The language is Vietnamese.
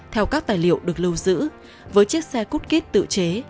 theo các tài liệu được lưu giữ với chiếc xe cút kít tự chế